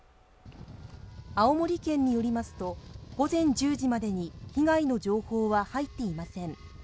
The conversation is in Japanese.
青森県によりますと午前１０時までに被害の情報は入っていません